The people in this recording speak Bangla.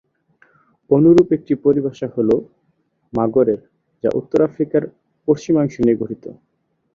অনুরূপ একটি পরিভাষা হল মাগরেব যা উত্তর আফ্রিকার পশ্চিমাংশ নিয়ে গঠিত।